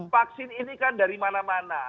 vaksin ini kan dari mana mana